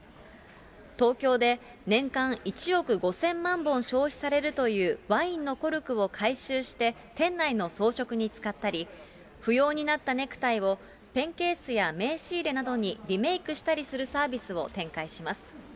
東京で年間１億５０００万本消費されるという、ワインのコルクを回収して、店内の装飾に使ったり、不要になったネクタイをペンケースや名刺入れなどにリメークしたりするサービスを展開します。